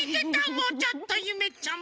もうちょっとゆめちゃん